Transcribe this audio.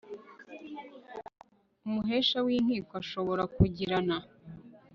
umuhesha w inkiko ashobora kugirana